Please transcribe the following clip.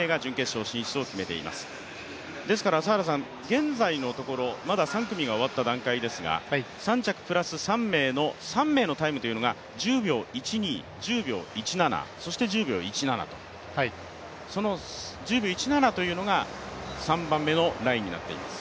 現在のところ、まだ３組が終わった段階ですが３着プラス３名の３名のタイムが１０秒１２、１０秒１７、そして１０秒１７と、その１０秒１７というのが３番目のラインになっています。